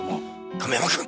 亀山君！